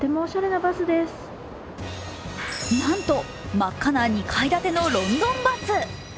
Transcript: なんと真っ赤な２階建てのロンドンバス。